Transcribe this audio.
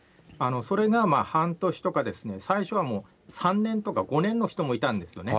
それが半年とか、最初はもう３年とか５年の人もいたんですよね。